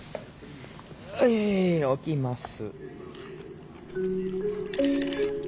はい置きます。